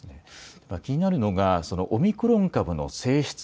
気になるのがオミクロン株の性質。